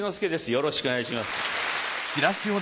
よろしくお願いします。